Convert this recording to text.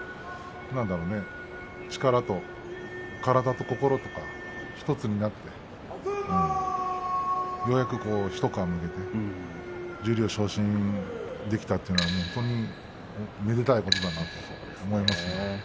ようやく力と体と心１つになってようやく、一皮むけて十両昇進できたというのは本当にめでたいことだなと思います。